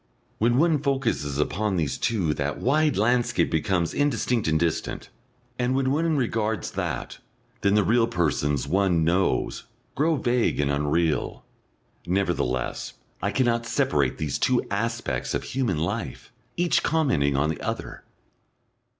When one focuses upon these two that wide landscape becomes indistinct and distant, and when one regards that then the real persons one knows grow vague and unreal. Nevertheless, I cannot separate these two aspects of human life, each commenting on the other.